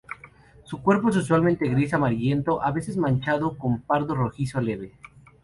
Su cuerpo es usualmente gris amarillento, a veces manchado con pardo rojizo leve.